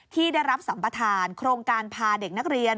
ที่ได้รับสัมประธานโครงการพาเด็กนักเรียน